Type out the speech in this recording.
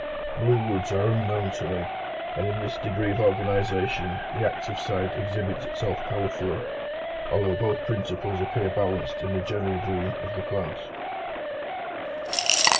Blue woods are unknown to me; and thus in this degree of organisation the active side exhibits itself powerfully, although both principles appear balanced in the general green of the plant.